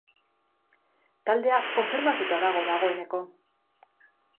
Taldea konfirmatuta dago dagoeneko.